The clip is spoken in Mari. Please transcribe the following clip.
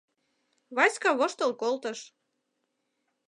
— Васька воштыл колтыш.